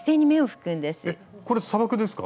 えっこれ砂漠ですか？